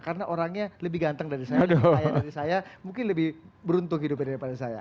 karena orangnya lebih ganteng dari saya lebih kaya dari saya mungkin lebih beruntung hidupnya daripada saya